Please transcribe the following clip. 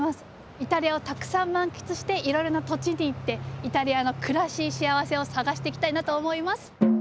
イタリアをたくさん満喫していろいろな土地に行ってイタリアの暮らししあわせを探していきたいなと思います。